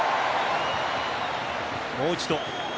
もう一度。